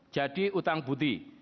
jadi utang budi